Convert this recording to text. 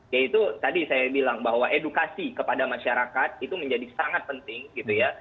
yaitu tadi saya bilang bahwa edukasi kepada masyarakat itu menjadi sangat penting gitu ya